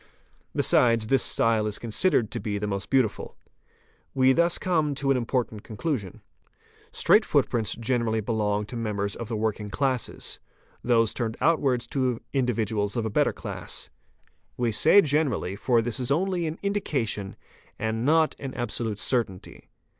Besides, this style is considered to be the most beautiful. We thus come to an im portant conclusion. Straight footprints generally belong to members of the working classes, those turned outwards to individuals of a better class. We say "generally'', for this is only an "indication" and not an absolute certainty.